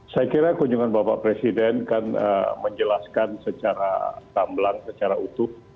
saya kira kunjungan bapak presiden kan menjelaskan secara tamblang secara utuh